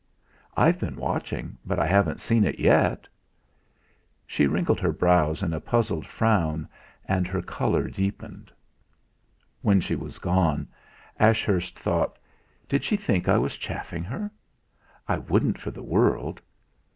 "I've been watching, but I haven't seen it yet." She wrinkled her brows in a puzzled frown, and her colour deepened. When she was gone, Ashurst thought: 'Did she think I was chaffing her? I wouldn't for the world!'